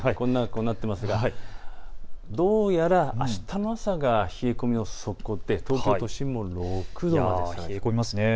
どうやらあしたの朝が冷え込みの底で、東京都心も６度まで冷え込みます。